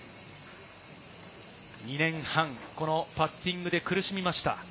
２年半、パッティングで苦しみました。